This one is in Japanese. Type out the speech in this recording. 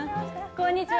こんにちは。